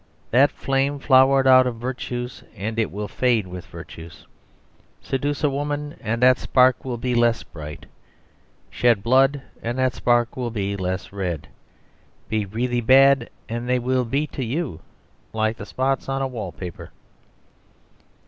That flame flowered out of virtues, and it will fade with virtues. Seduce a woman, and that spark will be less bright. Shed blood, and that spark will be less red. Be really bad, and they will be to you like the spots on a wall paper."